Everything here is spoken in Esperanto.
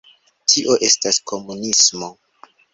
Tio estas komunismo